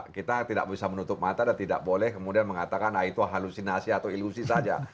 kita tidak bisa menutup mata dan tidak boleh kemudian mengatakan nah itu halusinasi atau ilusi saja